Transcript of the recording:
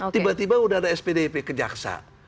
tiba tiba udah ada spdp kejaksa